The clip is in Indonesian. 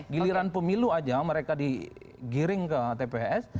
giliran pemilu aja mereka digiring ke tps